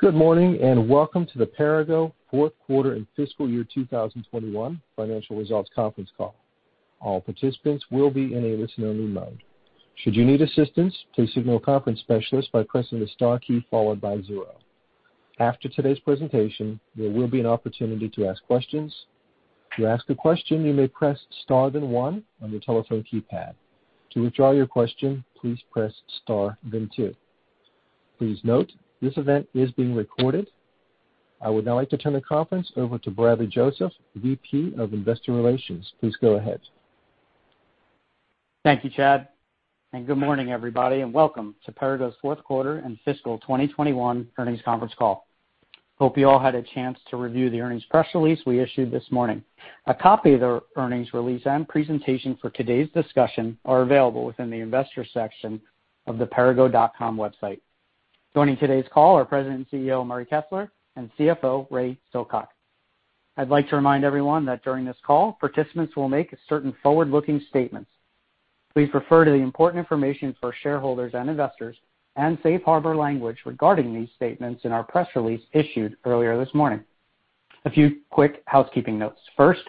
Good morning, and welcome to the Perrigo Q4 and fiscal year 2021 financial results conference call. All participants will be in a listen-only mode. Should you need assistance, please signal a conference specialist by pressing the star key followed by zero. After today's presentation, there will be an opportunity to ask questions. To ask a question, you may press star then one on your telephone keypad. To withdraw your question, please press star then two. Please note, this event is being recorded. I would now like to turn the conference over to Bradley Joseph, VP of Investor Relations. Please go ahead. Thank you, Chad, and good morning, everybody, and welcome to Perrigo's Q4 and fiscal 2021 earnings conference call. Hope you all had a chance to review the earnings press release we issued this morning. A copy of the earnings release and presentation for today's discussion are available within the investors section of the perrigo.com website. Joining today's call are President and CEO Murray Kessler, and CFO Ray Silcock. I'd like to remind everyone that during this call, participants will make certain forward-looking statements. Please refer to the important information for shareholders and investors and safe harbor language regarding these statements in our press release issued earlier this morning. A few quick housekeeping notes. First,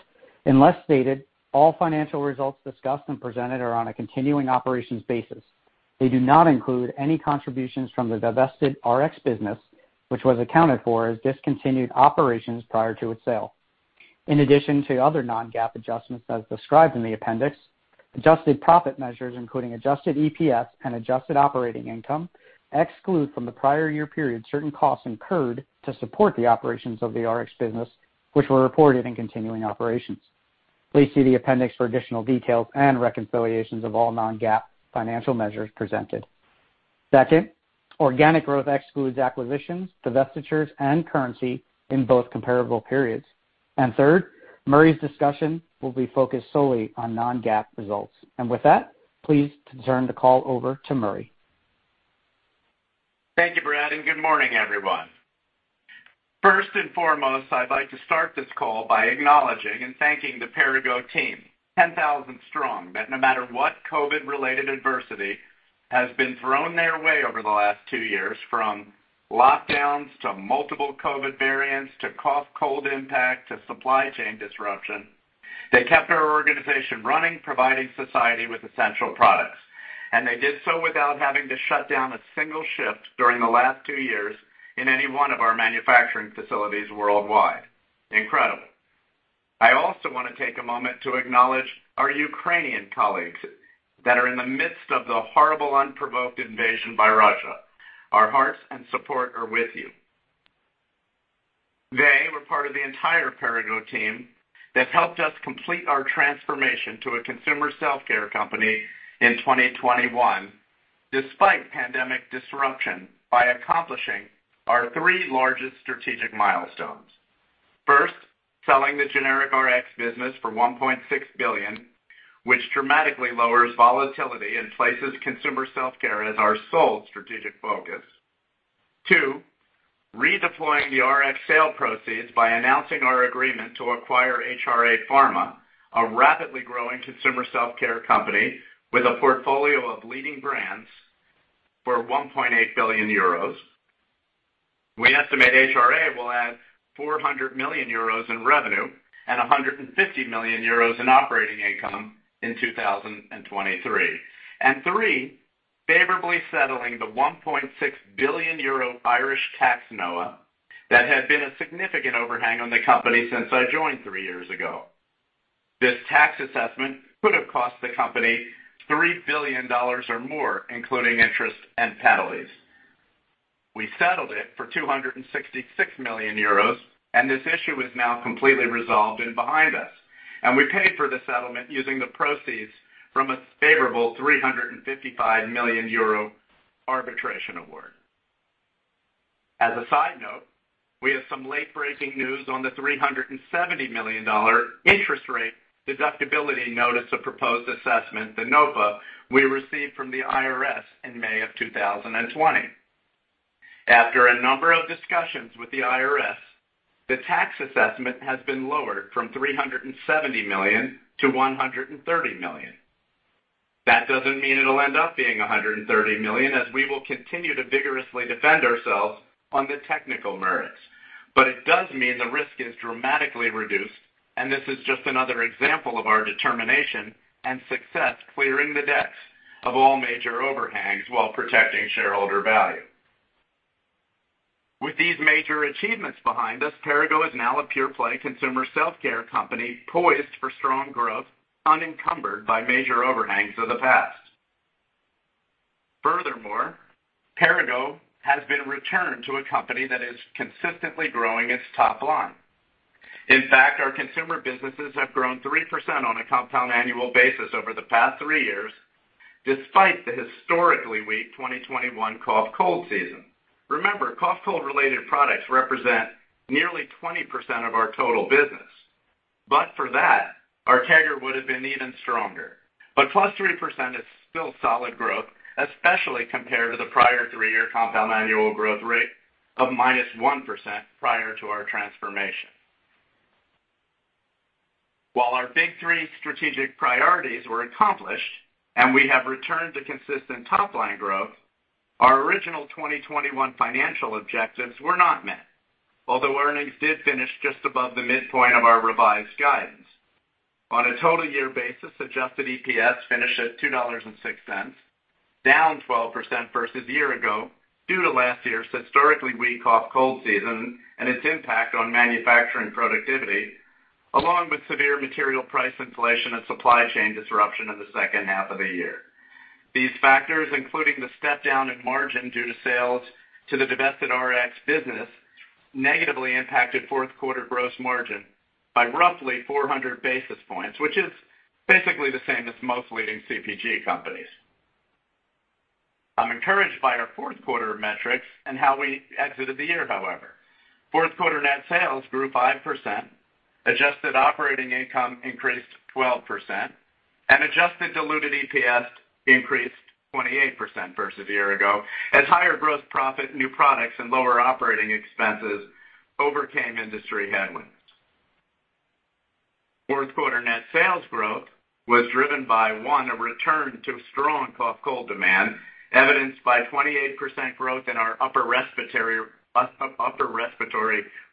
unless stated, all financial results discussed and presented are on a continuing operations basis. They do not include any contributions from the divested Rx business, which was accounted for as discontinued operations prior to its sale. In addition to other non-GAAP adjustments as described in the appendix, adjusted profit measures, including adjusted EPS and adjusted operating income, exclude from the prior year period certain costs incurred to support the operations of the Rx business, which were reported in continuing operations. Please see the appendix for additional details and reconciliations of all non-GAAP financial measures presented. Second, organic growth excludes acquisitions, divestitures, and currency in both comparable periods. Third, Murray's discussion will be focused solely on non-GAAP results. With that, please turn the call over to Murray. Thank you, Brad, and good morning, everyone. First and foremost, I'd like to start this call by acknowledging and thanking the Perrigo team, 10,000 strong, that no matter what COVID-related adversity has been thrown their way over the last two years, from lockdowns to multiple COVID variants to cough-cold impact to supply chain disruption, they kept our organization running, providing society with essential products. They did so without having to shut down a single shift during the last two years in any one of our manufacturing facilities worldwide. Incredible. I also wanna take a moment to acknowledge our Ukrainian colleagues that are in the midst of the horrible unprovoked invasion by Russia. Our hearts and support are with you. They were part of the entire Perrigo team that helped us complete our transformation to a consumer self-care company in 2021 despite pandemic disruption by accomplishing our three largest strategic milestones. First, selling the generic Rx business for $1.6 billion, which dramatically lowers volatility and places consumer self-care as our sole strategic focus. Two, redeploying the Rx sale proceeds by announcing our agreement to acquire HRA Pharma, a rapidly growing consumer self-care company with a portfolio of leading brands for 1.8 billion euros. We estimate HRA will add 400 million euros in revenue and 150 million euros in operating income in 2023. Three, favorably settling the 1.6 billion euro Irish tax NOA that had been a significant overhang on the company since I joined three years ago. This tax assessment could have cost the company $3 billion or more, including interest and penalties. We settled it for 266 million euros, and this issue is now completely resolved and behind us. We paid for the settlement using the proceeds from a favorable 355 million euro arbitration award. As a side note, we have some late-breaking news on the $370 million interest rate deductibility notice of proposed assessment, the NOA, we received from the IRS in May of 2020. After a number of discussions with the IRS, the tax assessment has been lowered from $370 million to $130 million. That doesn't mean it'll end up being $130 million, as we will continue to vigorously defend ourselves on the technical merits. It does mean the risk is dramatically reduced, and this is just another example of our determination and success clearing the decks of all major overhangs while protecting shareholder value. With these major achievements behind us, Perrigo is now a pure-play consumer self-care company poised for strong growth, unencumbered by major overhangs of the past. Furthermore, Perrigo has been returned to a company that is consistently growing its top line. In fact, our consumer businesses have grown 3% on a compound annual basis over the past three years, despite the historically weak 2021 cough-cold season. Remember, cough-cold related products represent nearly 20% of our total business. For that, our CAGR would have been even stronger. Plus 3% is still solid growth, especially compared to the prior three-year compound annual growth rate of -1% prior to our transformation. While our big three strategic priorities were accomplished and we have returned to consistent top-line growth, our original 2021 financial objectives were not met. Although earnings did finish just above the midpoint of our revised guidance. On a total year basis, adjusted EPS finished at $2.06, down 12% versus a year ago due to last year's historically weak cough-cold season and its impact on manufacturing productivity, along with severe material price inflation and supply chain disruption in the second half of the year. These factors, including the step down in margin due to sales to the divested Rx business, negatively impacted Q4 gross margin by roughly 400 basis points, which is basically the same as most leading CPG companies. I'm encouraged by our Q4 metrics and how we exited the year, however. Q4 net sales grew 5%, adjusted operating income increased 12%, and adjusted diluted EPS increased 28% versus a year ago as higher gross profit, new products, and lower operating expenses overcame industry headwinds. Q4 net sales growth was driven by, one, a return to strong cough cold demand, evidenced by 28% growth in our upper respiratory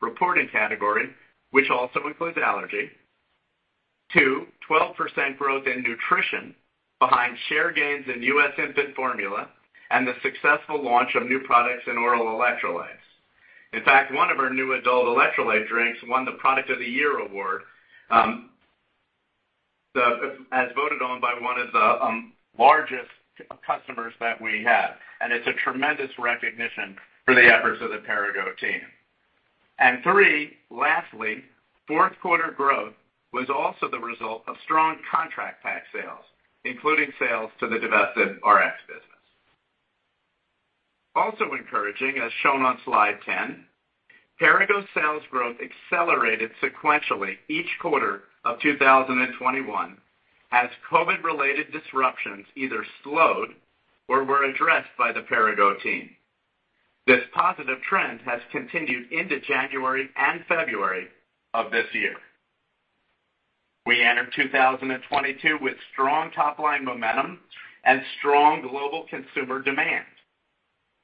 reporting category, which also includes allergy. Two, 12% growth in nutrition behind share gains in U.S. infant formula and the successful launch of new products in oral electrolytes. In fact, one of our new adult electrolyte drinks won the Product of the Year award, as voted on by one of the largest customers that we have. It's a tremendous recognition for the efforts of the Perrigo team. Three, lastly, Q4 growth was also the result of strong contract pack sales, including sales to the divested Rx business. Also encouraging, as shown on slide 10, Perrigo sales growth accelerated sequentially each quarter of 2021 as COVID-related disruptions either slowed or were addressed by the Perrigo team. This positive trend has continued into January and February of this year. We entered 2022 with strong top-line momentum and strong global consumer demand.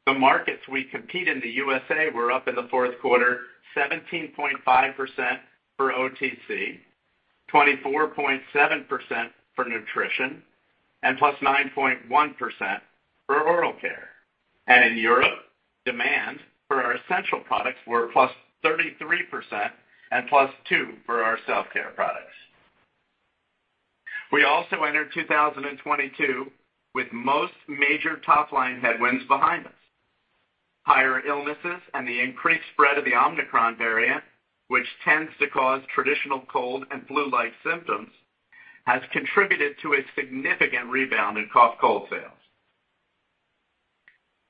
The markets we compete in the U.S. were up in the Q4 17.5% for OTC, 24.7% for nutrition, and +9.1% for oral care. In Europe, demand for our essential products were +33% and +2% for our self-care products. We also entered 2022 with most major top-line headwinds behind us. Higher illnesses and the increased spread of the Omicron variant, which tends to cause traditional cold and flu-like symptoms, has contributed to a significant rebound in cough cold sales.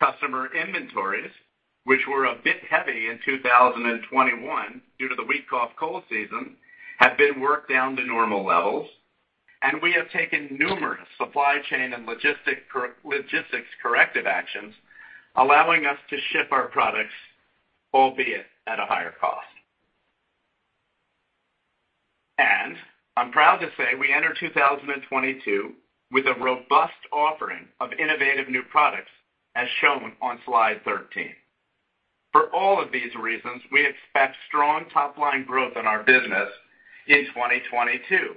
Customer inventories, which were a bit heavy in 2021 due to the weak cough-cold season, have been worked down to normal levels, and we have taken numerous supply chain and logistics corrective actions, allowing us to ship our products, albeit at a higher cost. I'm proud to say we enter 2022 with a robust offering of innovative new products as shown on slide 13. For all of these reasons, we expect strong top-line growth in our business in 2022.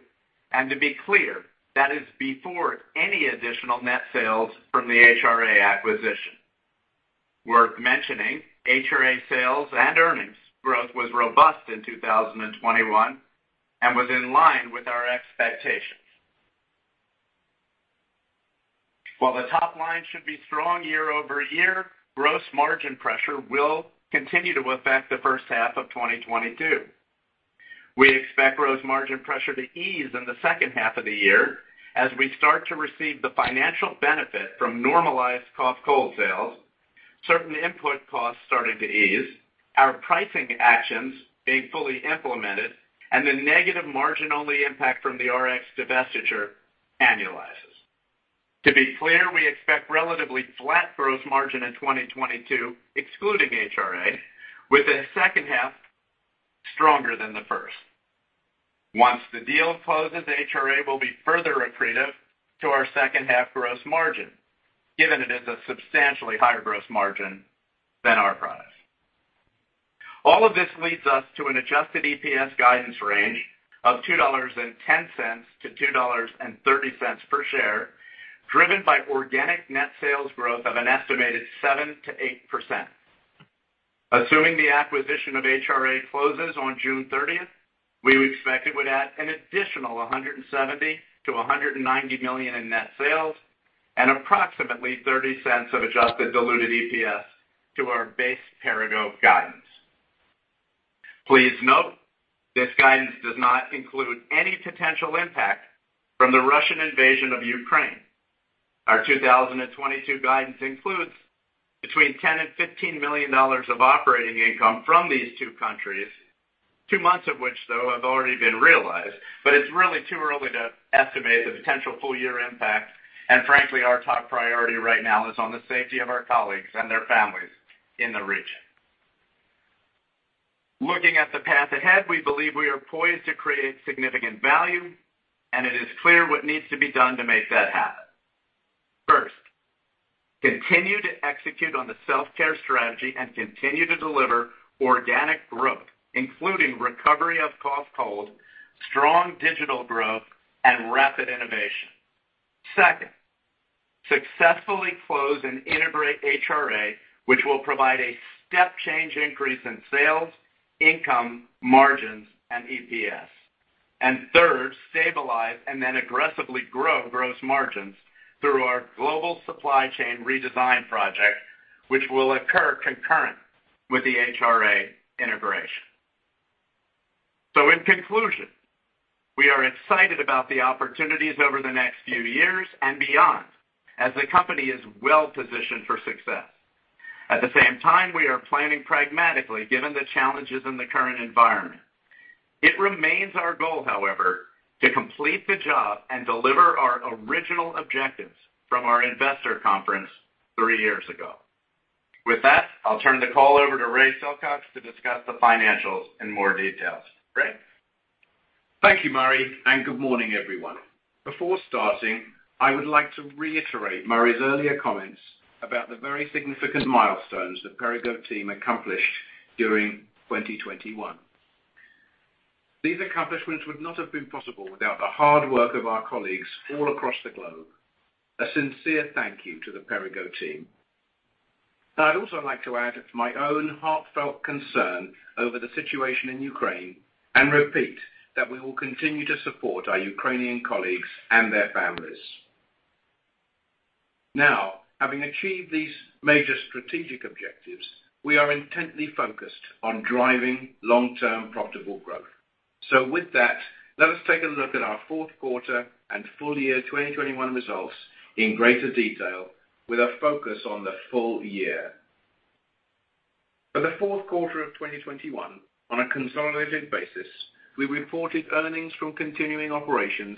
To be clear, that is before any additional net sales from the HRA acquisition. Worth mentioning, HRA sales and earnings growth was robust in 2021 and was in line with our expectations. While the top line should be strong year-over-year, gross margin pressure will continue to affect the first half of 2022. We expect gross margin pressure to ease in the second half of the year as we start to receive the financial benefit from normalized cough cold sales, certain input costs starting to ease, our pricing actions being fully implemented, and the negative margin-only impact from the Rx divestiture annualizes. To be clear, we expect relatively flat gross margin in 2022, excluding HRA, with the second half stronger than the first. Once the deal closes, HRA will be further accretive to our second half gross margin, given it is a substantially higher gross margin than our products. All of this leads us to an adjusted EPS guidance range of $2.10-$2.30 per share, driven by organic net sales growth of an estimated 7%-8%. Assuming the acquisition of HRA closes on June 30, we expect it would add an additional $170 million-$190 million in net sales and approximately $0.30 of adjusted diluted EPS to our base Perrigo guidance. Please note, this guidance does not include any potential impact from the Russian invasion of Ukraine. Our 2022 guidance includes between $10 million-$15 million of operating income from these two countries, two months of which though have already been realized, but it's really too early to estimate the potential full year impact. Frankly, our top priority right now is on the safety of our colleagues and their families in the region. Looking at the path ahead, we believe we are poised to create significant value, and it is clear what needs to be done to make that happen. First, continue to execute on the self-care strategy and continue to deliver organic growth, including recovery of cough, cold, strong digital growth, and rapid innovation. Second, successfully close and integrate HRA, which will provide a step change increase in sales, income, margins and EPS. Third, stabilize and then aggressively grow gross margins through our global supply chain redesign project, which will occur concurrent with the HRA integration. In conclusion, we are excited about the opportunities over the next few years and beyond as the company is well-positioned for success. At the same time, we are planning pragmatically given the challenges in the current environment. It remains our goal, however, to complete the job and deliver our original objectives from our investor conference three years ago. With that, I'll turn the call over to Ray Silcock to discuss the financials in more details. Ray. Thank you, Murray, and good morning, everyone. Before starting, I would like to reiterate Murray's earlier comments about the very significant milestones the Perrigo team accomplished during 2021. These accomplishments would not have been possible without the hard work of our colleagues all across the globe. A sincere thank you to the Perrigo team. I'd also like to add my own heartfelt concern over the situation in Ukraine and repeat that we will continue to support our Ukrainian colleagues and their families. Now, having achieved these major strategic objectives, we are intently focused on driving long-term profitable growth. With that, let us take a look at our Q4 and full year 2021 results in greater detail with a focus on the full year. For the Q4 of 2021, on a consolidated basis, we reported earnings from continuing operations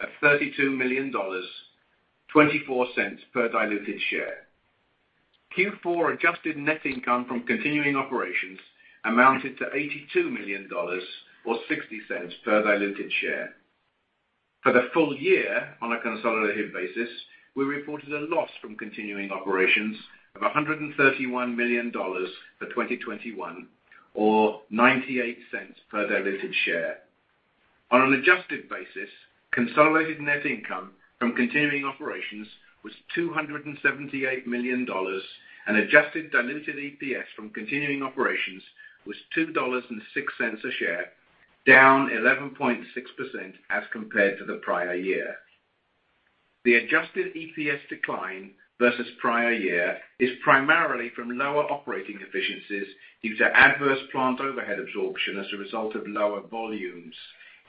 of $32 million, $0.24 per diluted share. Q4 adjusted net income from continuing operations amounted to $82 million or $0.60 per diluted share. For the full year on a consolidated basis, we reported a loss from continuing operations of $131 million for 2021 or $0.98 per diluted share. On an adjusted basis, consolidated net income from continuing operations was $278 million, and adjusted diluted EPS from continuing operations was $2.06 a share, down 11.6% as compared to the prior year. The adjusted EPS decline versus prior year is primarily from lower operating efficiencies due to adverse plant overhead absorption as a result of lower volumes,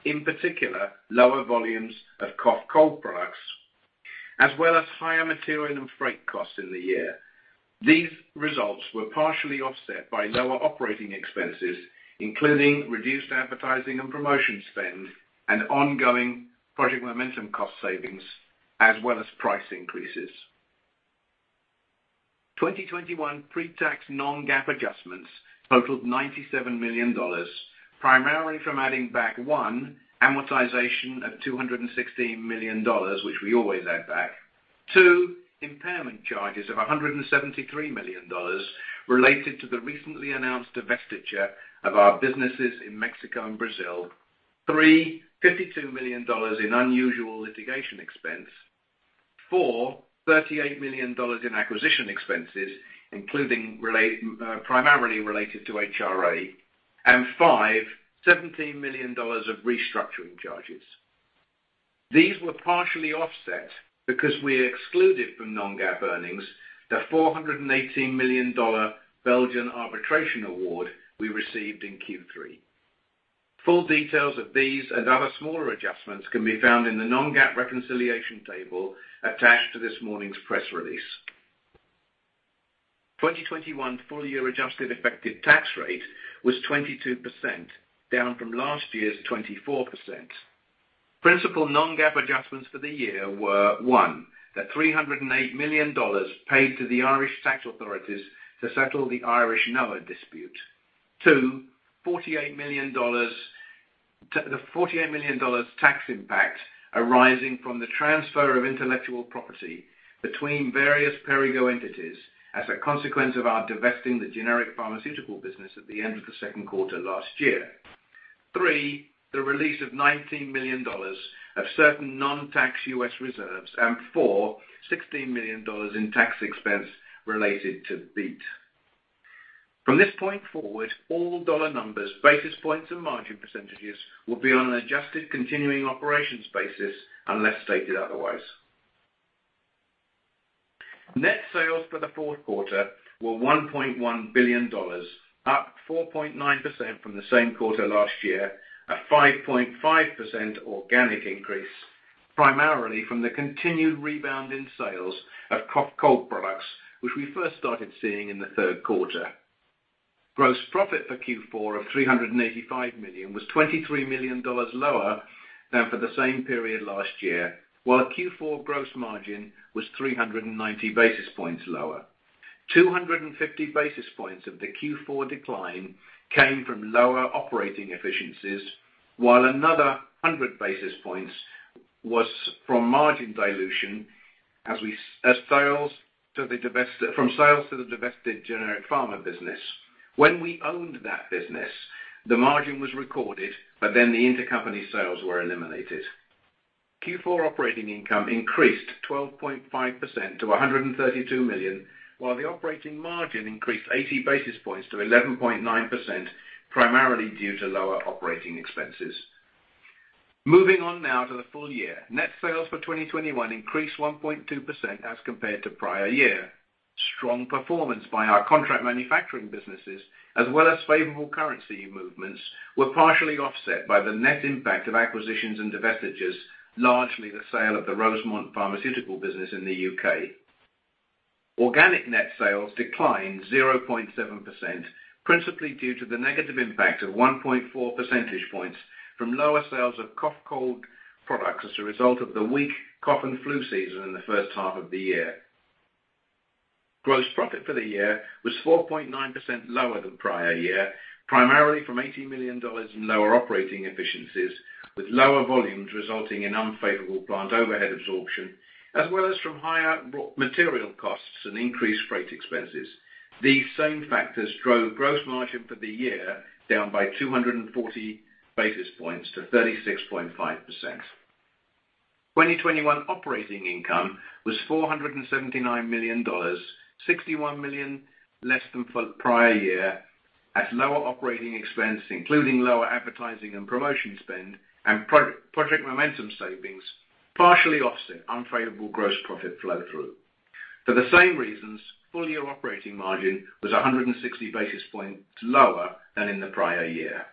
in particular, lower volumes of cough cold products, as well as higher material and freight costs in the year. These results were partially offset by lower operating expenses, including reduced advertising and promotion spend and ongoing Project Momentum cost savings as well as price increases. 2021 pre-tax non-GAAP adjustments totaled $97 million, primarily from adding back one, amortization of $216 million, which we always add back. Two, impairment charges of $173 million related to the recently announced divestiture of our businesses in Mexico and Brazil. Three, $52 million in unusual litigation expense. Four, $38 million in acquisition expenses, including primarily related to HRA. And five, $17 million of restructuring charges. These were partially offset because we excluded from non-GAAP earnings the $418 million Belgian arbitration award we received in Q3. Full details of these and other smaller adjustments can be found in the non-GAAP reconciliation table attached to this morning's press release. 2021 full year adjusted effective tax rate was 22%, down from last year's 24%. Principal non-GAAP adjustments for the year were, one, the $308 million paid to the Irish tax authorities to settle the Irish NOA dispute. Two, the $48 million tax impact arising from the transfer of intellectual property between various Perrigo entities as a consequence of our divesting the generic pharmaceutical business at the end of the Q2 last year. Three, the release of $19 million of certain non-tax U.S. reserves. And fourth, $16 million in tax expense related to BEAT. From this point forward, all dollar numbers, basis points, and margin percentages will be on an adjusted continuing operations basis unless stated otherwise. Net sales for the Q4 were $1.1 billion, up 4.9% from the same quarter last year at 5.5% organic increase, primarily from the continued rebound in sales of cough cold products, which we first started seeing in the Q3. Gross profit for Q4 of $385 million was $23 million lower than for the same period last year, while Q4 gross margin was 390 basis points lower. 250 basis points of the Q4 decline came from lower operating efficiencies, while another 100 basis points was from margin dilution from sales to the divested Generic Rx Pharmaceuticals business. When we owned that business, the margin was recorded, but then the intercompany sales were eliminated. Q4 operating income increased 12.5% to $132 million, while the operating margin increased 80 basis points to 11.9%, primarily due to lower operating expenses. Moving on now to the full year. Net sales for 2021 increased 1.2% as compared to prior year. Strong performance by our contract manufacturing businesses as well as favorable currency movements were partially offset by the net impact of acquisitions and divestitures, largely the sale of the Rosemont Pharmaceuticals business in the U.K. Organic net sales declined 0.7%, principally due to the negative impact of 1.4 percentage points from lower sales of cough-cold products as a result of the weak cough and flu season in the first half of the year. Gross profit for the year was 4.9% lower than prior year, primarily from $80 million in lower operating efficiencies, with lower volumes resulting in unfavorable plant overhead absorption, as well as from higher raw material costs and increased freight expenses. These same factors drove gross margin for the year down by 240 basis points to 36.5%. 2021 operating income was $479 million, $61 million less than for the prior year, as lower operating expense, including lower advertising and promotion spend and Project Momentum savings, partially offset unfavorable gross profit flow-through. For the same reasons, full year operating margin was 160 basis points lower than in the prior year.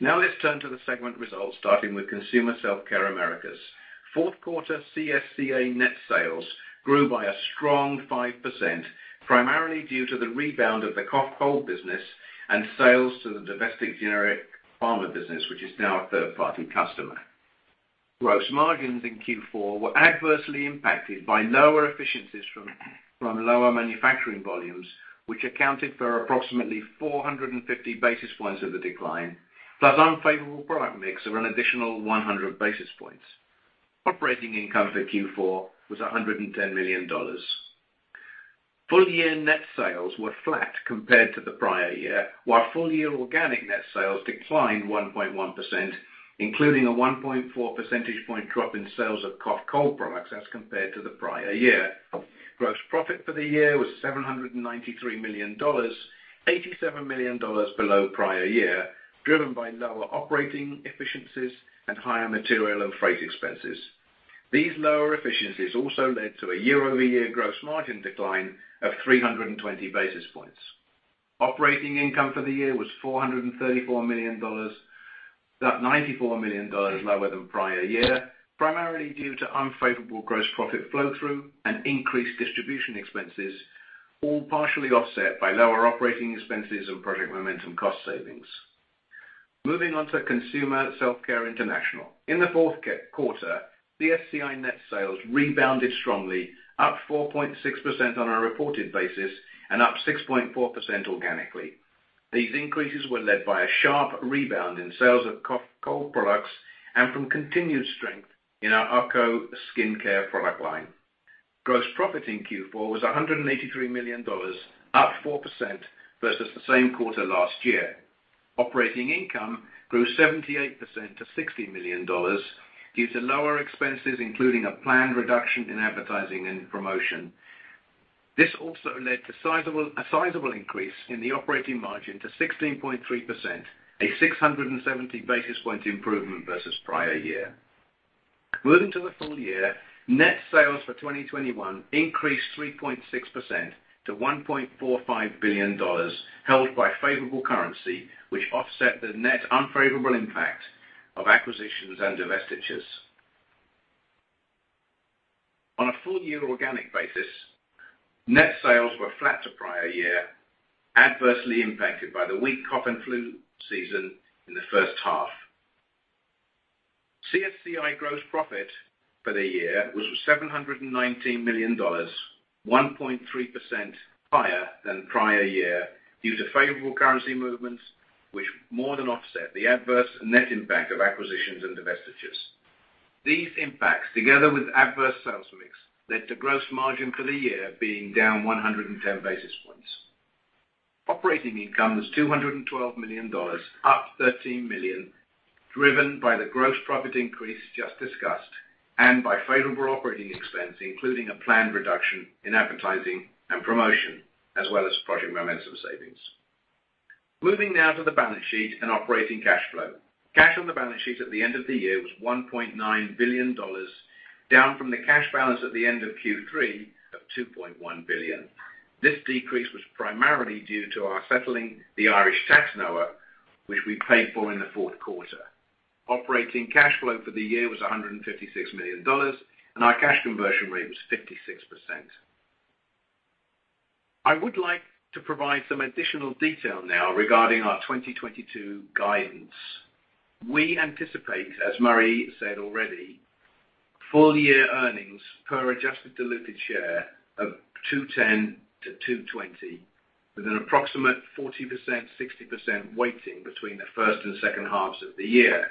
Now let's turn to the segment results, starting with Consumer Self-Care Americas. Q4 CSCA net sales grew by a strong 5%, primarily due to the rebound of the cough, cold business and sales to the divested generic pharma business, which is now a third-party customer. Gross margins in Q4 were adversely impacted by lower efficiencies from lower manufacturing volumes, which accounted for approximately 450 basis points of the decline, plus unfavorable product mix of an additional 100 basis points. Operating income for Q4 was $110 million. Full year net sales were flat compared to the prior year, while full year organic net sales declined 1.1%, including a 1.4 percentage point drop in sales of cough-cold products as compared to the prior year. Gross profit for the year was $793 million, $87 million below prior year, driven by lower operating efficiencies and higher material and freight expenses. These lower efficiencies also led to a year-over-year gross margin decline of 320 basis points. Operating income for the year was $434 million, about $94 million lower than prior year, primarily due to unfavorable gross profit flow-through and increased distribution expenses, all partially offset by lower operating expenses and Project Momentum cost savings. Moving on to Consumer Self-Care International. In the Q4, the CSCI net sales rebounded strongly, up 4.6% on a reported basis and up 6.4% organically. These increases were led by a sharp rebound in sales of cough-cold products and from continued strength in our ACO skincare product line. Gross profit in Q4 was $183 million, up 4% versus the same quarter last year. Operating income grew 78% to $60 million due to lower expenses, including a planned reduction in advertising and promotion. This also led to a sizable increase in the operating margin to 16.3%, a 670 basis point improvement versus prior year. Moving to the full year. Net sales for 2021 increased 3.6% to $1.45 billion, helped by favorable currency, which offset the net unfavorable impact of acquisitions and divestitures. On a full year organic basis, net sales were flat to prior year, adversely impacted by the weak cough and flu season in the first half. CSCI gross profit for the year was $719 million, 1.3% higher than prior year due to favorable currency movements, which more than offset the adverse net impact of acquisitions and divestitures. These impacts, together with adverse sales mix, led to gross margin for the year being down 110 basis points. Operating income was $212 million, up $13 million, driven by the gross profit increase just discussed and by favorable operating expense, including a planned reduction in advertising and promotion, as well as Project Momentum savings. Moving now to the balance sheet and operating cash flow. Cash on the balance sheet at the end of the year was $1.9 billion, down from the cash balance at the end of Q3 of $2.1 billion. This decrease was primarily due to our settling the Irish tax NOA, which we paid for in the Q4. Operating cash flow for the year was $156 million, and our cash conversion rate was 56%. I would like to provide some additional detail now regarding our 2022 guidance. We anticipate, as Murray said already, full year earnings per adjusted diluted share of $2.10-$2.20, with an approximate 40%, 60% weighting between the first and second halves of the year.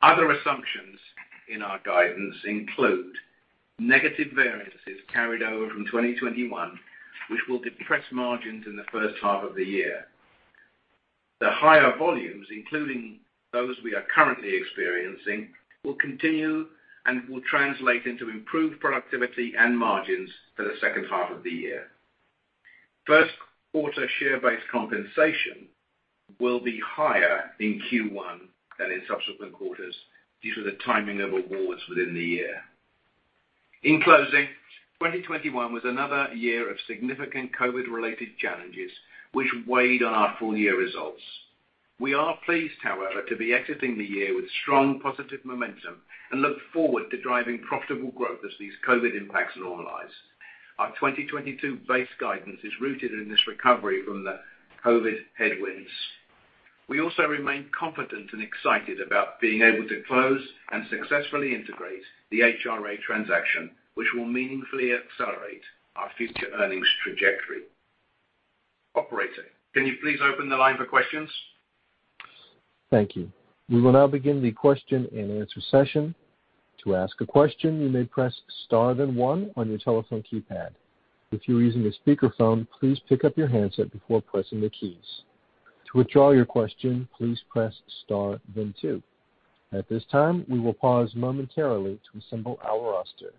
Other assumptions in our guidance include negative variances carried over from 2021, which will depress margins in the first half of the year. The higher volumes, including those we are currently experiencing, will continue and will translate into improved productivity and margins for the second half of the year. Q1 share-based compensation will be higher in Q1 than in subsequent quarters due to the timing of awards within the year. In closing, 2021 was another year of significant COVID-related challenges which weighed on our full year results. We are pleased, however, to be exiting the year with strong positive momentum and look forward to driving profitable growth as these COVID impacts normalize. Our 2022 base guidance is rooted in this recovery from the COVID headwinds. We also remain confident and excited about being able to close and successfully integrate the HRA transaction, which will meaningfully accelerate our future earnings trajectory. Operator, can you please open the line for questions? Thank you. We will now begin the question-and-answer session. To ask a question, you may press star then one on your telephone keypad. If you're using a speakerphone, please pick up your handset before pressing the keys. To withdraw your question, please press star then two. At this time, we will pause momentarily to assemble our roster.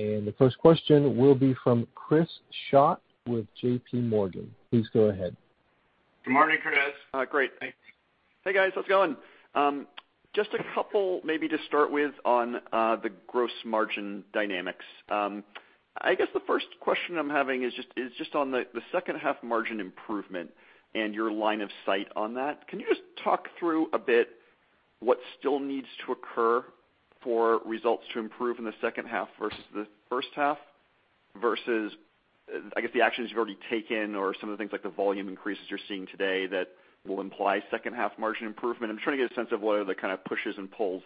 The first question will be from Chris Schott with JPMorgan. Please go ahead. Good morning, Chris. Great, thanks. Hey, guys, how's it going? Just a couple maybe to start with on the gross margin dynamics. I guess the first question I'm having is just on the second half margin improvement and your line of sight on that. Can you just talk through a bit what still needs to occur for results to improve in the second half versus the first half versus I guess the actions you've already taken or some of the things like the volume increases you're seeing today that will imply second half margin improvement. I'm trying to get a sense of what are the kind of pushes and pulls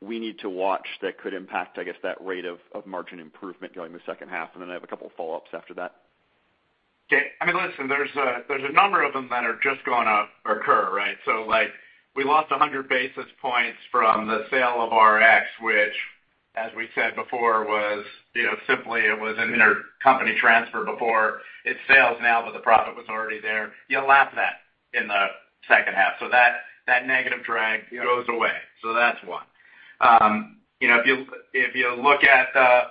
we need to watch that could impact I guess that rate of margin improvement during the second half, and then I have a couple of follow-ups after that. Okay. I mean, listen, there's a number of them that are just gonna occur, right? Like, we lost 100 basis points from the sale of Rx, which, as we said before, you know, simply it was an intercompany transfer before. It's sales now, but the profit was already there. You lap that in the second half. That negative drag goes away. That's one. You know, if you look at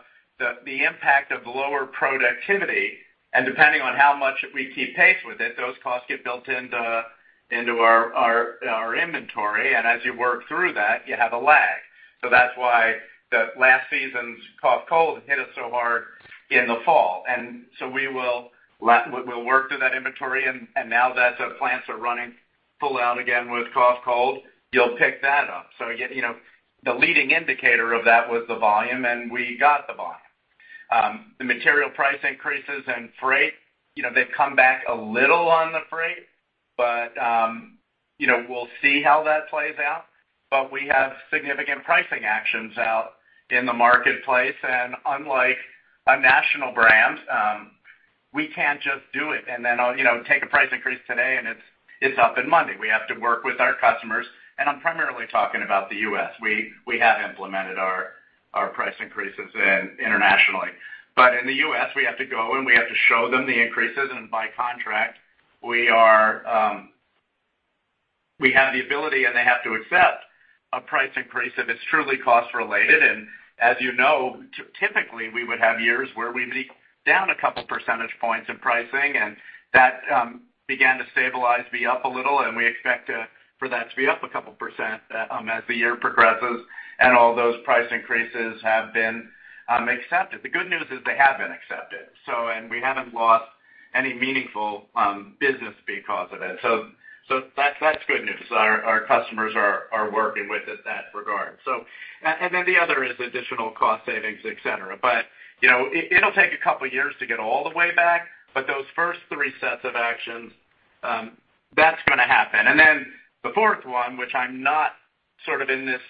the impact of lower productivity, and depending on how much we keep pace with it, those costs get built into our inventory, and as you work through that, you have a lag. That's why the last season's cough-cold hit us so hard in the fall. We'll work through that inventory and now that the plants are running full out again with cough-cold, you'll pick that up. Again, you know, the leading indicator of that was the volume, and we got the volume. The material price increases and freight, you know, they've come back a little on the freight, but you know, we'll see how that plays out. We have significant pricing actions out in the marketplace. Unlike a national brand, you know, we can't just do it and then take a price increase today and it's up on Monday. We have to work with our customers, and I'm primarily talking about the U.S. We have implemented our price increases internationally. In the U.S., we have to go, and we have to show them the increases. By contract, we are, we have the ability, and they have to accept a price increase if it's truly cost related. As you know, typically, we would have years where we'd be down a couple percentage points in pricing, and that began to stabilize, be up a little, and we expect for that to be up a couple percent as the year progresses and all those price increases have been accepted. The good news is they have been accepted, so we haven't lost any meaningful business because of it. That's good news. Our customers are working with us in that regard. Then the other is additional cost savings, et cetera. You know, it'll take a couple of years to get all the way back, but those first three sets of actions, that's gonna happen. Then the fourth one, which I'm not sort of in this,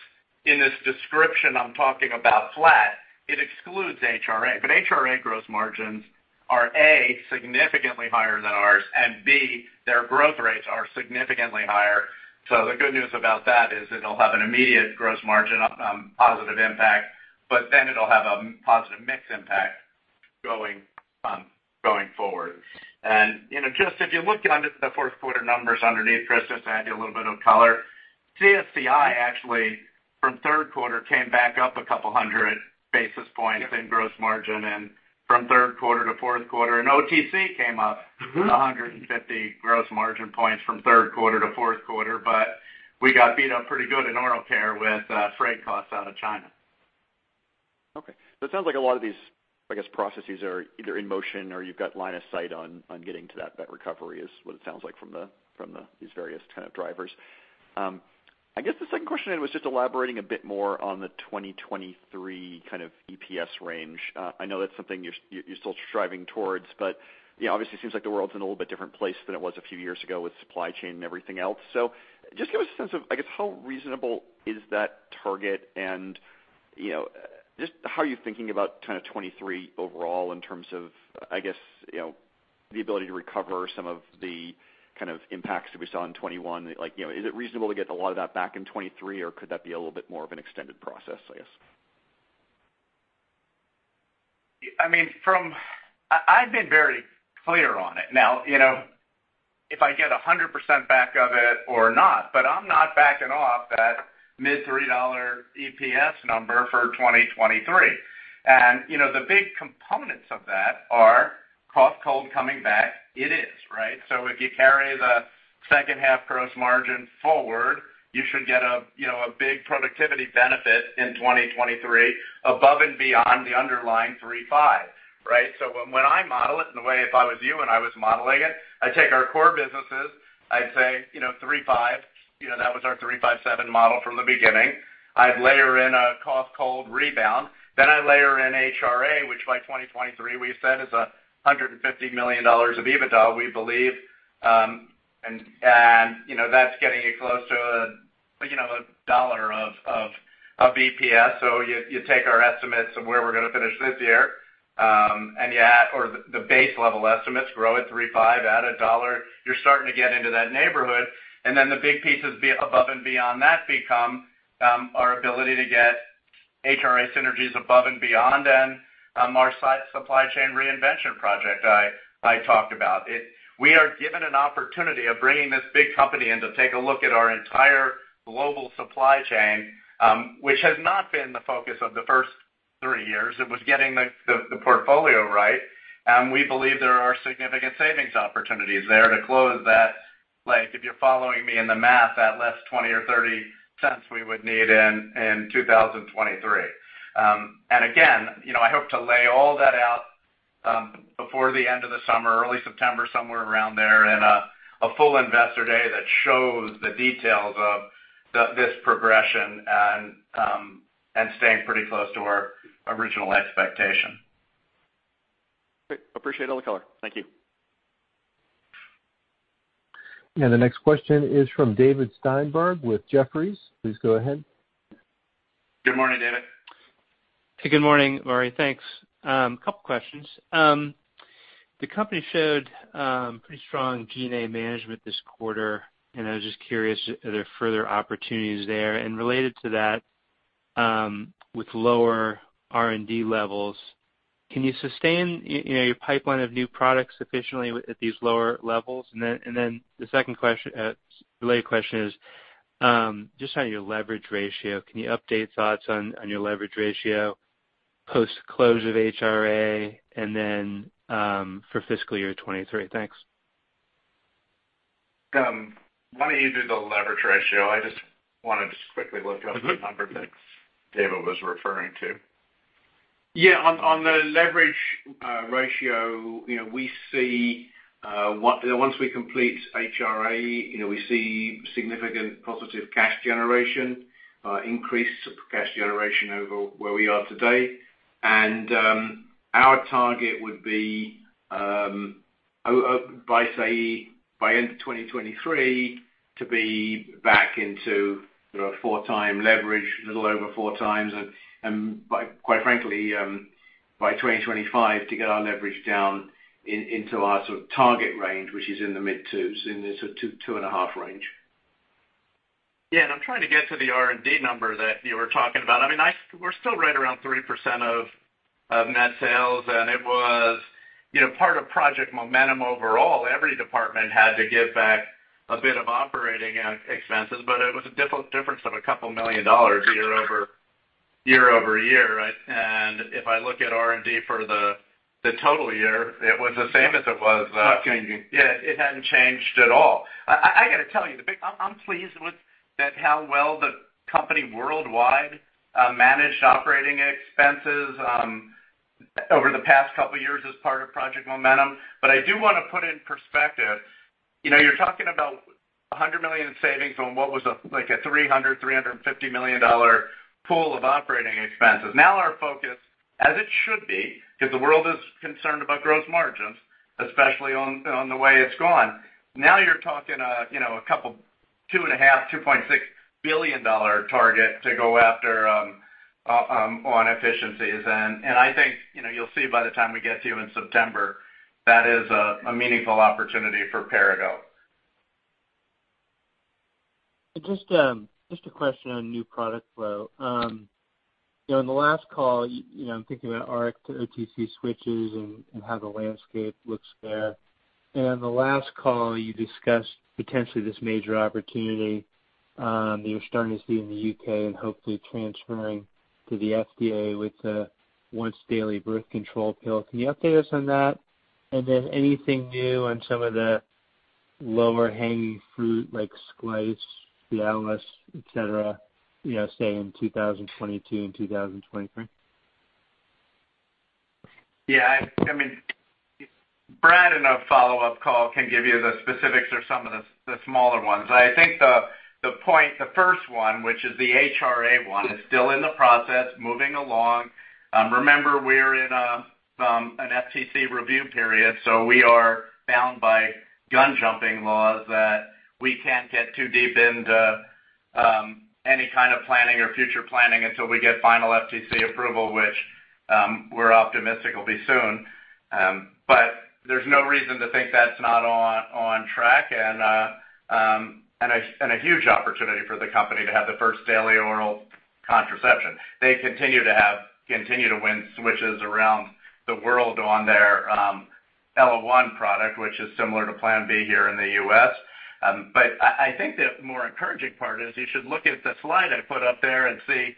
in this description, I'm talking about flat, it excludes HRA. HRA gross margins are, A, significantly higher than ours, and B, their growth rates are significantly higher. The good news about that is it'll have an immediate gross margin positive impact, but then it'll have a positive mix impact going, going forward. You know, just if you look under the Q4 numbers underneath, Chris, just to add you a little bit of color, CSCI actually from Q3 came back up a couple hundred basis points in gross margin and from Q3 to Q4. OTC came up 150 gross margin points from Q3 to Q4. We got beat up pretty good in oral care with freight costs out of China. Okay. It sounds like a lot of these—I guess, processes are either in motion or you've got line of sight on getting to that net recovery is what it sounds like from the these various kind of drivers. I guess the second question was just elaborating a bit more on the 2023 kind of EPS range. I know that's something you're still striving towards, but you know, obviously it seems like the world's in a little bit different place than it was a few years ago with supply chain and everything else. Just give us a sense of, I guess, how reasonable is that target? You know, just how are you thinking about kind of 2023 overall in terms of, I guess, you know, the ability to recover some of the kind of impacts that we saw in 2021?nLike, you know, is it reasonable to get a lot of that back in 2023, or could that be a little bit more of an extended process, I guess? I mean, I've been very clear on it. Now, you know, if I get 100% back of it or not, but I'm not backing off that mid-$3 EPS number for 2023. You know, the big components of that are cost cold coming back. It is, right? If you carry the second half gross margin forward, you should get, you know, a big productivity benefit in 2023 above and beyond the underlying 3.5%, right? When I model it in the way, if I was you and I was modeling it, I'd take our core businesses, I'd say, you know, 3.5, you know, that was our 3-5-7 model from the beginning. I'd layer in a cost cold rebound. I layer in HRA, which by 2023, we said is $150 million of EBITDA, we believe. That's getting you close to a dollar of EPS. You take our estimates of where we're gonna finish this year or the base level estimates, grow it 3%-5%, add a dollar, you're starting to get into that neighborhood. The big pieces beyond that become our ability to get HRA synergies above and beyond and our supply chain reinvention project I talked about it. We are given an opportunity of bringing this big company in to take a look at our entire global supply chain, which has not been the focus of the first three years. It was getting the portfolio right. We believe there are significant savings opportunities there to close that. Like, if you're following me in the math, that last $0.20-$0.30 we would need in 2023. Again, you know, I hope to lay all that out before the end of the summer, early September, somewhere around there, in a full investor day that shows the details of this progression and staying pretty close to our original expectation. Great. Appreciate all the color. Thank you. The next question is from David Steinberg with Jefferies. Please go ahead. Good morning, David. Hey, good morning, Murray. Thanks. A couple questions. The company showed pretty strong G&A management this quarter, and I was just curious, are there further opportunities there? Related to that, with lower R&D levels, can you sustain, you know, your pipeline of new products sufficiently at these lower levels? The second related question is just on your leverage ratio, can you update thoughts on your leverage ratio post-close of HRA and then for fiscal year 2023? Thanks. Why don't you do the leverage ratio? I just wanna quickly look up the number that David was referring to. Yeah. On the leverage ratio, you know, we see once we complete HRA, you know, we see significant positive cash generation, increased cash generation over where we are today. Our target would be, by, say, by the end of 2023, to be back into sort of 4x leverage, a little over 4x. By quite frankly, by 2025 to get our leverage down into our sort of target range, which is in the mid-2s, in the sort of 2-2.5 range. Yeah. I'm trying to get to the R&D number that you were talking about. I mean, we're still right around 3% of net sales, and it was, you know, part of Project Momentum overall. Every department had to give back a bit of operating expenses, but it was a difference of a couple million dollars year-over-year, right? If I look at R&D for the total year, it was the same as it was. Not changing. Yeah, it hadn't changed at all. I gotta tell you, I'm pleased with that how well the company worldwide managed operating expenses over the past couple of years as part of Project Momentum. I do wanna put in perspective, you know, you're talking about $100 million in savings on what was a like a $300 million-$350 million pool of operating expenses. Now our focus, as it should be, because the world is concerned about gross margins, especially on the way it's gone. Now you're talking a you know a couple $2.5 billion-$2.6 billion target to go after on efficiencies. I think you know you'll see by the time we get to you in September, that is a meaningful opportunity for Perrigo. Just a question on new product flow. You know, in the last call, you know, I'm thinking about Rx to OTC switches and how the landscape looks there. In the last call, you discussed potentially this major opportunity, you're starting to see in the U.K. and hopefully transferring to the FDA with a once-daily birth control pill. Can you update us on that? Then anything new on some of the lower hanging fruit like Slynd, the Allegra, et cetera, you know, say in 2022 and 2023? Yeah. I mean, Brad in a follow-up call can give you the specifics or some of the smaller ones. I think the point, the first one, which is the HRA one, is still in the process, moving along. Remember, we're in an FTC review period, so we are bound by gun jumping laws that we can't get too deep into any kind of planning or future planning until we get final FTC approval, which we're optimistic will be soon. But there's no reason to think that's not on track and a huge opportunity for the company to have the first daily oral contraception. They continue to win switches around the world on their ellaOne product, which is similar to Plan B here in the U.S. I think the more encouraging part is you should look at the slide I put up there and see,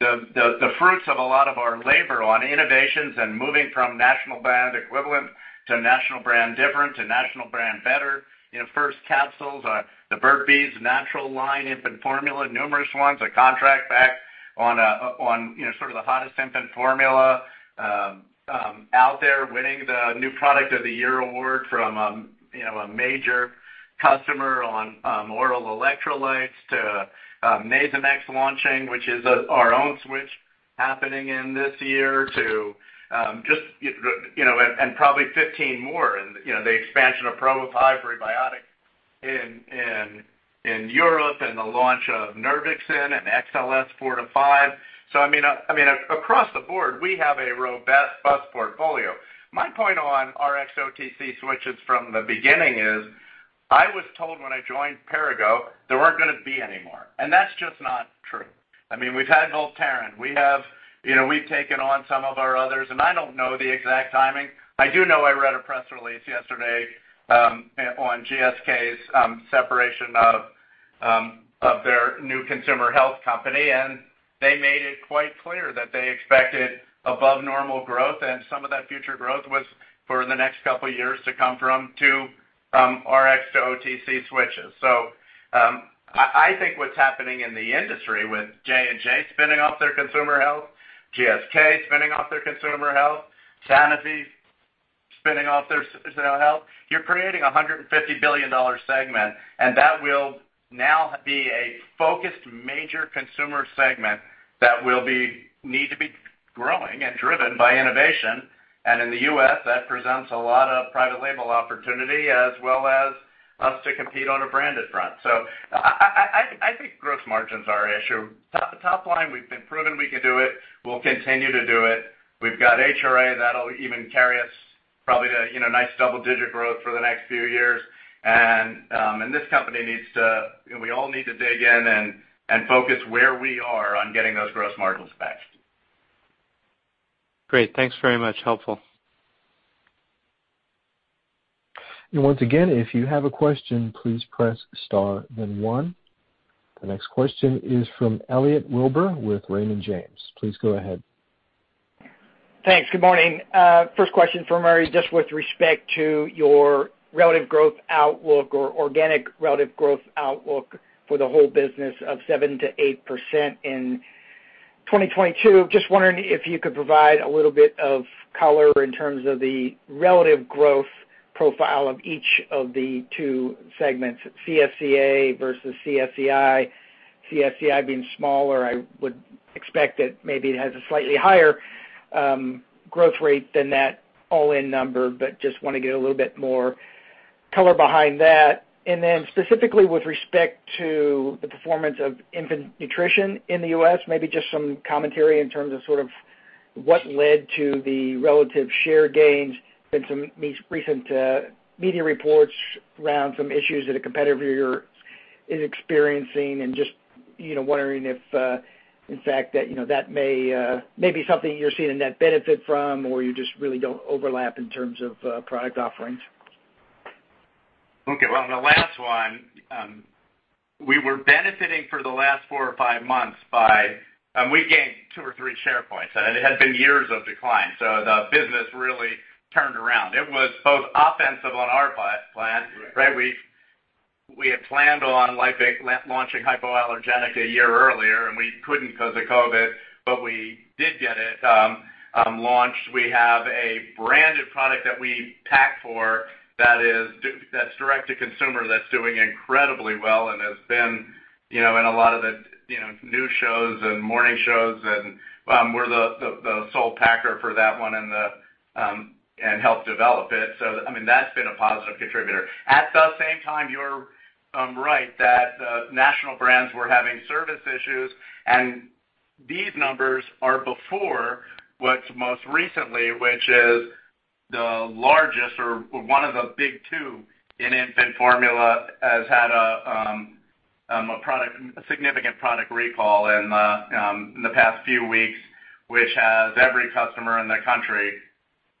the fruits of a lot of our labor on innovations and moving from national brand equivalent to national brand different to national brand better. You know, first capsules, the Burt's Bees natural line, infant formula, numerous ones, a contract back on, you know, sort of the hottest infant formula out there, winning the New Product of the Year award from, you know, a major customer on oral electrolytes to Nasonex launching, which is our own switch happening this year to, you know, and probably 15 more. You know, the expansion of Probify prebiotic in Europe and the launch of Nervixen and XLS-Medical 4 to 5. I mean, across the board, we have a robust business portfolio. My point on Rx OTC switches from the beginning is, I was told when I joined Perrigo there weren't gonna be any more, and that's just not true. I mean, we've had Voltaren. We have, you know, we've taken on some of our others, and I don't know the exact timing. I do know I read a press release yesterday on GSK's separation of their new consumer health company, and they made it quite clear that they expected above normal growth, and some of that future growth was for the next couple years to come from Rx to OTC switches. I think what's happening in the industry with J&J spinning off their consumer health, GSK spinning off their consumer health, Sanofi spinning off their consumer health, you're creating $150 billion segment, and that will now be a focused major consumer segment that will need to be growing and driven by innovation. In the U.S., that presents a lot of private label opportunity as well as us to compete on a branded front. I think gross margins are our issue. Top line, we've proven we can do it. We'll continue to do it. We've got HRA, that'll even carry us probably to, you know, nice double-digit growth for the next few years, this company needs to, you know, we all need to dig in and focus where we are on getting those gross margins back. Great. Thanks very much. Helpful. Once again, if you have a question, please press star then one. The next question is from Elliot Wilbur with Raymond James. Please go ahead. Thanks. Good morning. First question for Murray, just with respect to your relative growth outlook or organic relative growth outlook for the whole business of 7%-8% in 2022. Just wondering if you could provide a little bit of color in terms of the relative growth profile of each of the two segments, CSCA versus CSCI. CSCI being smaller, I would expect that maybe it has a slightly higher growth rate than that all-in number, but just wanna get a little bit more color behind that. Specifically with respect to the performance of infant nutrition in the U.S., maybe just some commentary in terms of sort of what led to the relative share gains and some more recent media reports around some issues that a competitor is experiencing and just, you know, wondering if, in fact that, you know, that may be something you're seeing a net benefit from or you just really don't overlap in terms of product offerings. Okay. Well, on the last one, we were benefiting for the last 4 or 5 months by, we gained 2 or 3 share points, and it had been years of decline. The business really turned around. It was both offensive on our plan, right? We had planned on like, launching hypoallergenic 1 year earlier, and we couldn't 'cause of COVID, but we did get it launched. We have a branded product that we pack for that is that's direct to consumer that's doing incredibly well and has been, you know, in a lot of the, you know, news shows and morning shows and, we're the sole packer for that one and helped develop it. I mean, that's been a positive contributor. At the same time, you're right that national brands were having service issues, and these numbers are before what's most recently, which is the largest or one of the big two in infant formula has had a significant product recall in the past few weeks, which has every customer in the country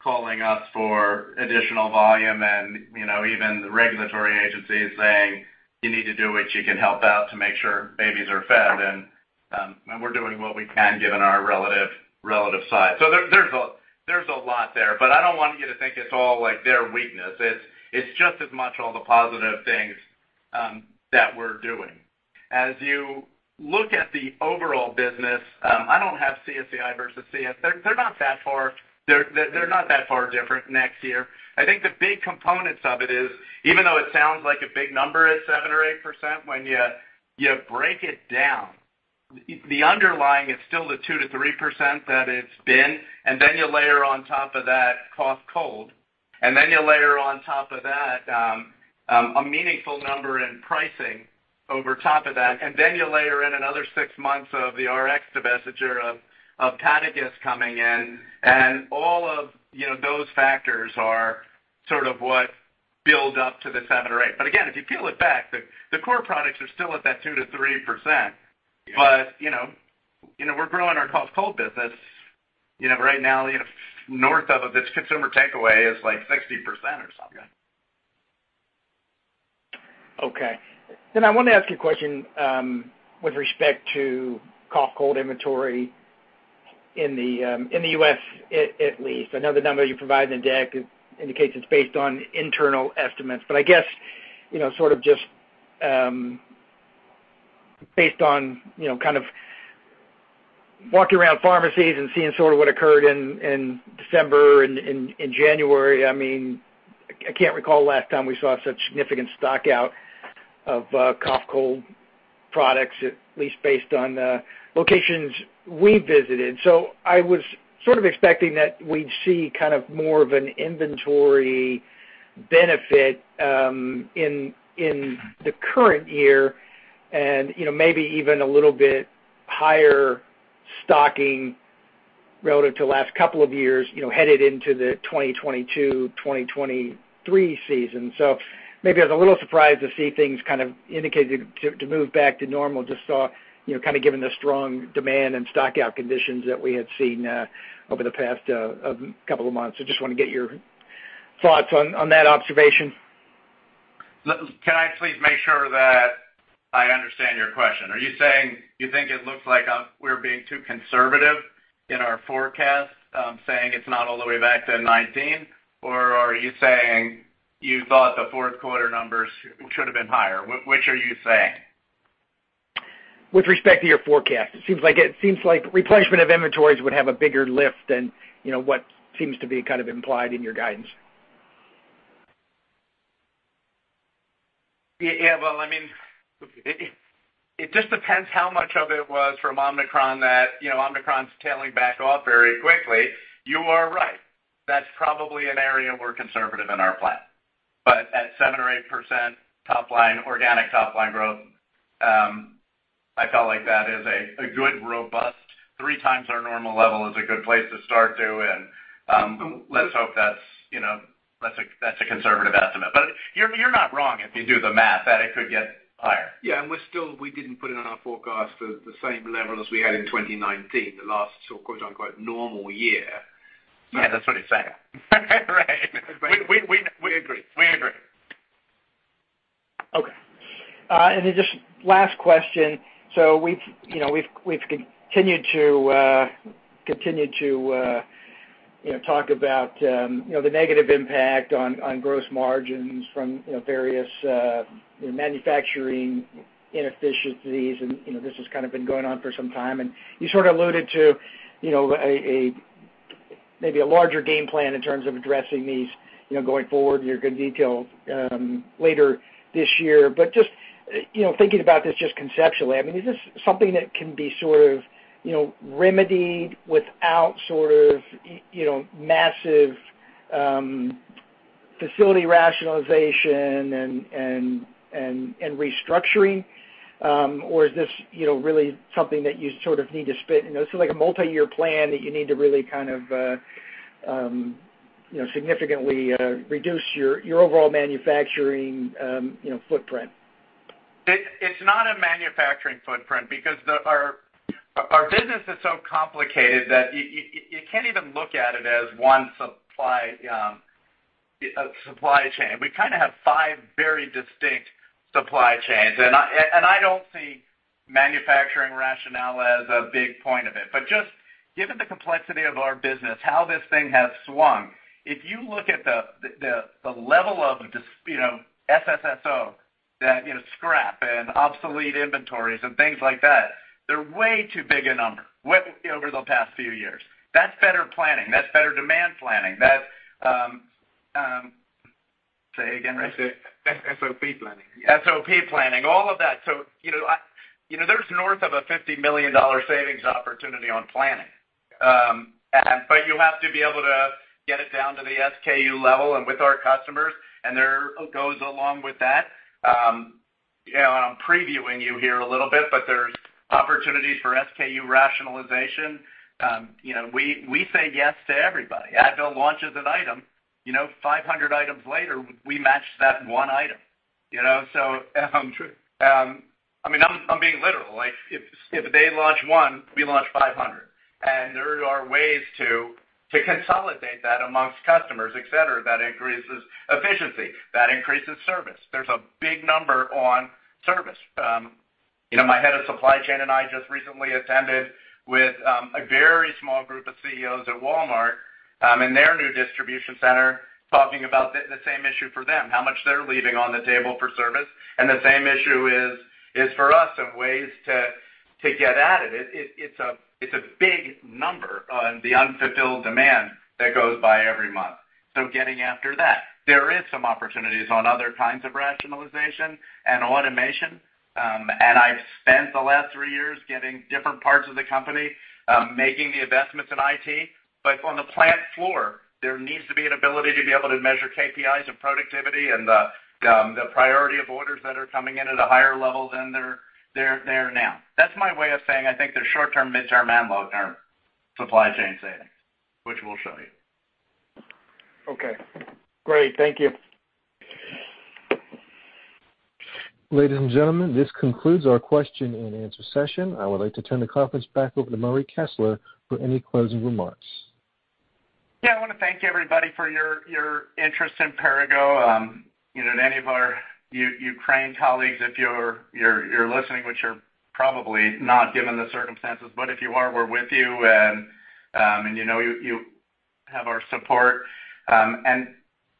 calling us for additional volume and, you know, even the regulatory agencies saying, "You need to do what you can help out to make sure babies are fed." We're doing what we can given our relative size. There's a lot there, but I don't want you to think it's all, like, their weakness. It's just as much all the positive things that we're doing. As you look at the overall business, I don't have CSCI versus CSCA. They're not that far different next year. I think the big components of it is even though it sounds like a big number at 7% or 8%, when you break it down, the underlying is still the 2%-3% that it's been, and then you layer on top of that cough, cold, and then you layer on top of that, a meaningful number in pricing over top of that, and then you layer in another six months of the Rx divestiture of Padagis coming in. All of, you know, those factors are sort of what build up to the 7% or 8%. If you peel it back, the core products are still at that 2%-3%. You know, we're growing our cough, cold business. You know, right now, you know, north of its consumer takeaway is, like, 60% or something. Okay. I wanna ask you a question with respect to cough cold inventory in the U.S. at least. I know the numbers you provide in the deck indicates it's based on internal estimates. I guess you know sort of just based on you know kind of walking around pharmacies and seeing sort of what occurred in December and in January. I mean I can't recall the last time we saw such significant stock out of cough cold products at least based on the locations we visited. I was sort of expecting that we'd see kind of more of an inventory benefit in the current year and you know maybe even a little bit higher stocking relative to the last couple of years you know headed into the 2022 2023 season. Maybe I was a little surprised to see things kind of indicating to move back to normal just, you know, kinda given the strong demand and stock out conditions that we had seen over the past couple of months. Just wanna get your thoughts on that observation. Can I please make sure that I understand your question? Are you saying you think it looks like we're being too conservative in our forecast, saying it's not all the way back to 2019? Or are you saying you thought the Q4 numbers should have been higher? Which are you saying? With respect to your forecast, it seems like replenishment of inventories would have a bigger lift than, you know, what seems to be kind of implied in your guidance. Yeah. Well, I mean, it just depends how much of it was from Omicron that, you know, Omicron's tailing off very quickly. You are right. That's probably an area we're conservative in our plan. At 7% or 8% top line, organic top line growth, I felt like that is a good robust three times our normal level is a good place to start to. Let's hope that's, you know, that's a conservative estimate. You're not wrong if you do the math that it could get higher. We didn't put it in our forecast for the same level as we had in 2019, the last sort of quote-unquote normal year. Yeah. That's what he's saying. Right. We agree. We agree. Okay. Just last question. We've continued to, you know, talk about the negative impact on gross margins from various manufacturing inefficiencies. You know, this has kinda been going on for some time. You sort of alluded to a larger game plan in terms of addressing these, you know, going forward, and you're gonna detail later this year. Just, you know, thinking about this just conceptually, I mean, is this something that can be sort of, you know, remedied without sort of, you know, massive facility rationalization and restructuring? Is this, you know, really something that you sort of need to split, you know, so like a multiyear plan that you need to really kind of, you know, significantly reduce your overall manufacturing, you know, footprint? It's not a manufacturing footprint because our business is so complicated that you can't even look at it as one supply chain. We kinda have five very distinct supply chains, and I don't see manufacturing rationale as a big point of it. Just given the complexity of our business, how this thing has swung, if you look at the level of, you know, SSSO that, you know, scrap and obsolete inventories and things like that, they're way too big a number way over the past few years. That's better planning. That's better demand planning. Say again, Ray? I said SOP planning. Yeah. SOP planning, all of that. You know, there's north of a $50 million savings opportunity on planning. But you have to be able to get it down to the SKU level and with our customers, and there goes along with that. You know, I'm previewing you here a little bit, but there's opportunities for SKU rationalization. You know, we say yes to everybody. Advil launches an item. You know, 500 items later, we match that one item. You know? True. I mean, I'm being literal. Like, if they launch one, we launch 500. There are ways to consolidate that among customers, et cetera, that increases efficiency, that increases service. There's a big number on service. You know, my head of supply chain and I just recently attended with a very small group of CEOs at Walmart in their new distribution center talking about the same issue for them, how much they're leaving on the table for service. The same issue is for us of ways to get at it. It's a big number on the unfulfilled demand that goes by every month. Getting after that. There is some opportunities on other kinds of rationalization and automation. I've spent the last three years getting different parts of the company, making the investments in IT. On the plant floor, there needs to be an ability to be able to measure KPIs and productivity and the priority of orders that are coming in at a higher level than they are now. That's my way of saying I think they're short term, mid-term, and long-term supply chain savings, which we'll show you. Okay, great. Thank you. Ladies and gentlemen, this concludes our question-and-answer session. I would like to turn the conference back over to Murray Kessler for any closing remarks. Yeah, I wanna thank everybody for your interest in Perrigo. You know, any of our Ukraine colleagues, if you're listening, which you're probably not given the circumstances, but if you are, we're with you, and you know, you have our support.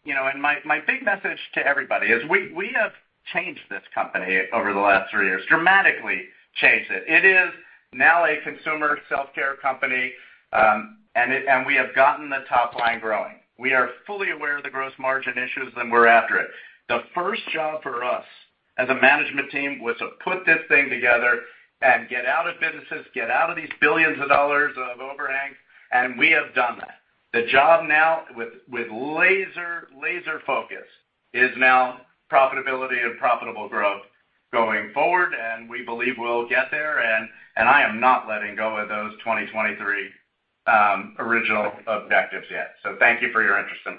You know, my big message to everybody is we have changed this company over the last three years, dramatically changed it. It is now a consumer self-care company, and we have gotten the top line growing. We are fully aware of the gross margin issues, and we're after it. The first job for us as a management team was to put this thing together and get out of businesses, get out of these billions of dollars of overhang, and we have done that. The job now with laser focus is now profitability and profitable growth going forward, and we believe we'll get there and I am not letting go of those 2023 original objectives yet. Thank you for your interest in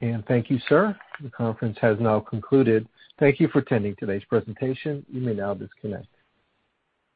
Perrigo. Thank you, sir. The conference has now concluded. Thank you for attending today's presentation. You may now disconnect.